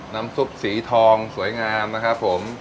น้ำซุปสีทองสวยงามนะครับผม